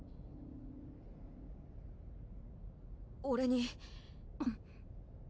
俺に。